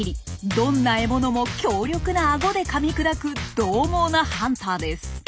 どんな獲物も強力な顎でかみ砕くどう猛なハンターです。